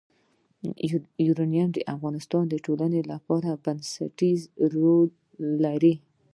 یورانیم د افغانستان د ټولنې لپاره بنسټيز رول لري.